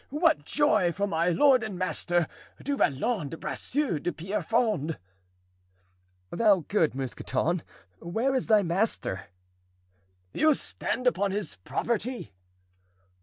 what joy for my lord and master, Du Vallon de Bracieux de Pierrefonds!" "Thou good Mousqueton! where is thy master?" "You stand upon his property!"